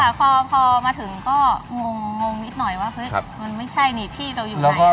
มันไม่ใช่พี่เราอยู่ไหน